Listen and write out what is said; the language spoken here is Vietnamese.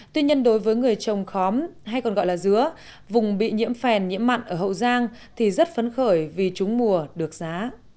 tuy nhiên đối với người trồng khóm hay còn gọi là dứa vùng bị nhiễm phèn nhiễm mặn ở hậu giang thì rất phấn khởi vì trúng mùa được giá